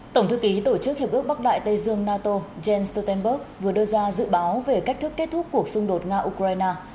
tổng thư ký tổ chức hiệp ước bắc đại tây dương nato jens stoltenberg vừa đưa ra dự báo về cách thức kết thúc cuộc xung đột nga ukraine